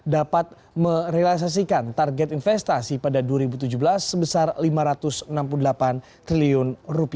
dapat merealisasikan target investasi pada dua ribu tujuh belas sebesar rp lima ratus enam puluh delapan triliun